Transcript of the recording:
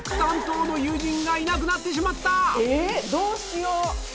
⁉どうしよう？